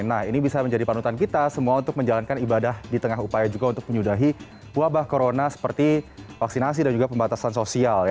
nah ini bisa menjadi panutan kita semua untuk menjalankan ibadah di tengah upaya juga untuk menyudahi wabah corona seperti vaksinasi dan juga pembatasan sosial